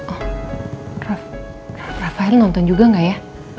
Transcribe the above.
oh rafael nonton juga nggak ya